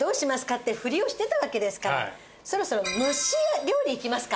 って振りをしてたわけですからそろそろ蒸し料理いきますか。